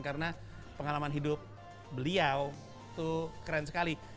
karena pengalaman hidup beliau itu keren sekali